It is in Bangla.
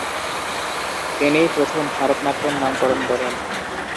তিনিই প্রথম ‘ভারতনাট্যম’ নামকরণ করেন।